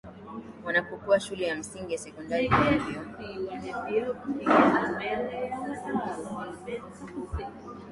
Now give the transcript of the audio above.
wanapokuwa shule ya msingi na sekondari kwa hivyo